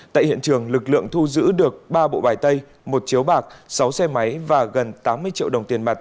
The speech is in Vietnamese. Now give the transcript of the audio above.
tại hiện trường lực lượng thu giữ được ba bộ bài tay một chiếu bạc sáu xe máy và gần tám mươi triệu đồng tiền mặt